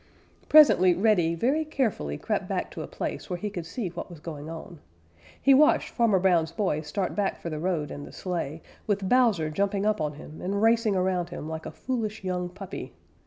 Presently Reddy very carefully crept back to a place where he could see what was going on. He watched Farmer Brown's boy start back for the road and the sleigh, with Bowser jumping up on him and racing around him like a foolish young puppy.